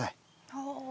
はあ。